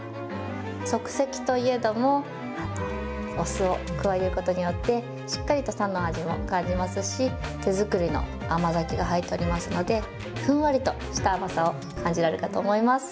即席といえども、お酢を加えることによって、しっかりと酸の味も感じますし、手作りの甘酒が入っておりますので、ふんわりとした甘さを感じられるかと思います。